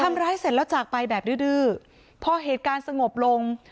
ทำร้ายเสร็จแล้วจากไปแบบดื้อดื้อพอเหตุการณ์สงบลง